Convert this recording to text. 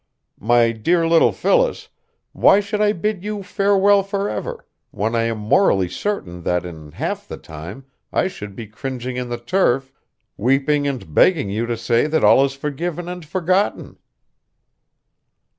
My dear little Phyllis, why should I bid you farewell forever, when I am morally certain that in half that time I should be cringing in the turf, weeping and begging you to say that all is forgiven and forgotten?"